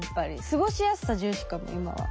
過ごしやすさ重視かも今は。